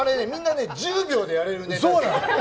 みんな１０秒でやれるね。